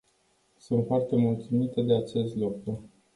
Sunt foarte mulțumită de acest lucru.